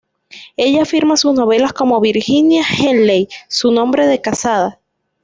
Ella firma sus novelas como Virginia Henley, su nombre de casada.